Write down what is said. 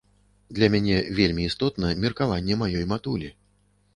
Для мяне вельмі істотна меркаванне маёй матулі.